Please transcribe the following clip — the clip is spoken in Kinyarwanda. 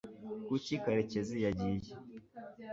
kuki karekezi yagiye